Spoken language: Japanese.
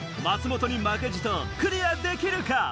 松本に負けじとクリアできるか？